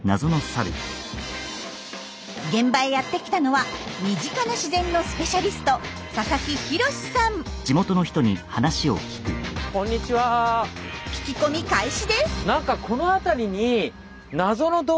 現場へやって来たのは身近な自然のスペシャリスト聞き込み開始です。